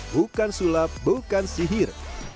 bukan sulap bukan sihir